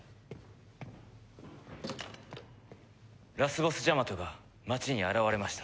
ラスボスジャマトが町に現れました。